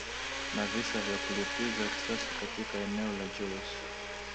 na visa vya kulipiza kisasi katika eneo la joes